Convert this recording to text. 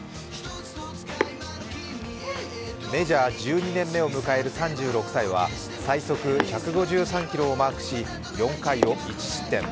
メジャー１２年目を迎える３６歳は、最速１５３キロをマークし、４回を１失点。